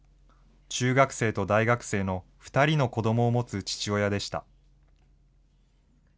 中学生と大学生の２人の子どもを持つ父親でした。